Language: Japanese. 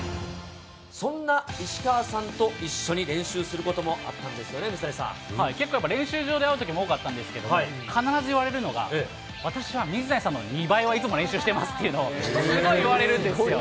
そんな石川さんと一緒に練習することもあったんですよね、水谷さ結構やっぱり、練習場で会うときも多かったんですけど、必ず言われるのが、私は水谷さんの２倍はいつも練習してますというのを、すごい言われるんですよ。